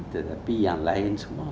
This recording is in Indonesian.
tetapi yang lain semua